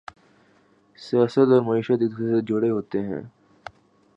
سیاست اور معیشت ایک دوسرے سے جڑے ہوئے ہیں۔